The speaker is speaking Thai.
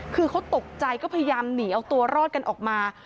คือเขาตกใจก็พยายามหนีเอาตัวรอดกันออกมา